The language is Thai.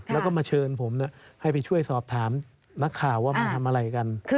แล้วก็มาเชิญผมให้ไปช่วยสอบถามนักข่าวว่ามาทำอะไรกัน